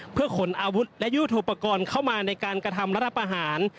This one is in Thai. เพื่อขนอาวุธและยุดโดยกำมานในการกระทำรัฐพาหาร